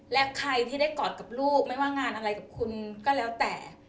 และใครที่ได้กอดกับลูกไม่ว่างานอะไรกับคุณก็แล้วแต่